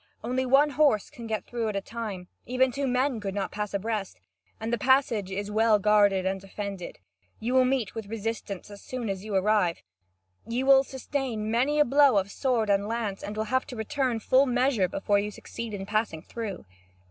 Only one horse can go through at a time; even two men could not pass abreast, and the passage is well guarded and defended. You will meet with resistance as soon as you arrive. You will sustain many a blow of sword and lance, and will have to return full measure before you succeed in passing through."